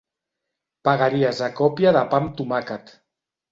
Pagaries a còpia de pa amb tomàquet.